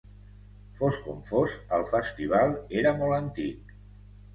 Fos com fos el festival era molt antic.